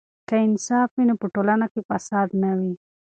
که انصاف وي نو په ټولنه کې فساد نه وي.